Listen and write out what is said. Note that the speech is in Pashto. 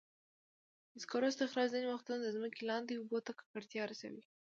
د سکرو استخراج ځینې وختونه د ځمکې لاندې اوبو ته ککړتیا رسوي.